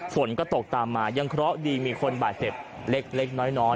ฝนก็ตกตามมายังเคราะห์ดีมีคนบาดเจ็บเล็กน้อย